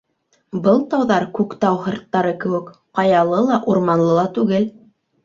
Был тауҙар Күктау һырттары кеүек ҡаялы ла, урманлы ла түгел.